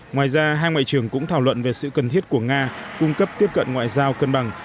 ngoài ra hai ngoại trưởng cũng thảo luận về sự cần thiết của nga cung cấp tiếp cận ngoại giao cân bằng